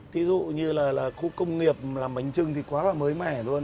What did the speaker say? thí dụ như là khu công nghiệp làm bánh trưng thì quá là mới mẻ luôn